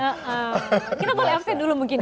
kita boleh fc dulu mungkin